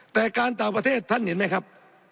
แต่การต่างประเทศท่านเห็นไหมครับ